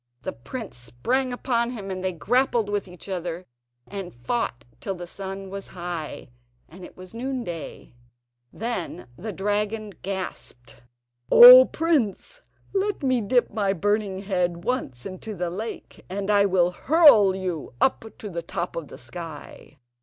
The prince sprang upon him and they grappled with each other and fought together till the sun was high, and it was noonday. Then the dragon gasped: "O prince, let me dip my burning head once into the lake, and I will hurl you up to the top of the sky."